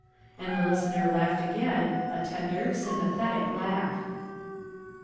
And the listener laughed again a tender, sympathetic laugh.